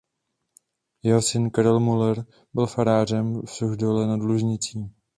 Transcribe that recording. Jeho syn Karel Müller byl farářem v Suchdole nad Lužnicí.